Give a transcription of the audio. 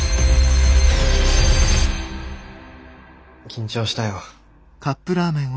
緊張したよ。